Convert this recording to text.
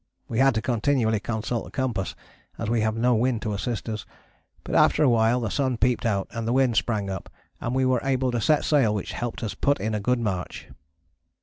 We had to continually consult the compass, as we have had no wind to assist us, but after awhile the sun peeped out and the wind sprang up and we were able to set sail, which helped us put in a good march.